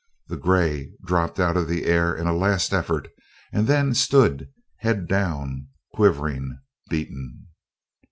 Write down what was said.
The grey dropped out of the air in a last effort and then stood head down, quivering, beaten.